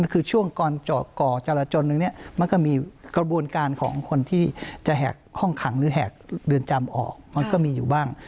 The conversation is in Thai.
คือช่วงก่อนเจาะก่อจรจนตรงนี้มันก็มีกระบวนการของคนที่จะแหกห้องขังหรือแหกเรือนจำออกมันก็มีอยู่บ้าง